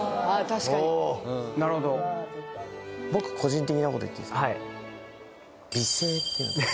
確かになるほど僕個人的なこと言っていいですか？